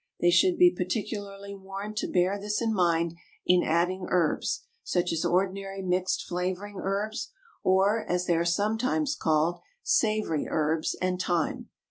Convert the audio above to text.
They should be particularly warned to bear this in mind in adding herbs, such as ordinary mixed flavouring herbs, or, as they are sometimes called, savoury herbs, and thyme.